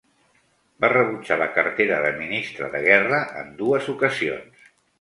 Va rebutjar la cartera de ministre de Guerra en dues ocasions.